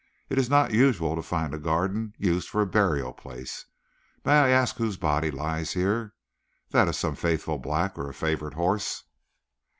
"It is not usual to find a garden used for a burial place. May I ask whose body lies here? That of some faithful black or of a favorite horse?"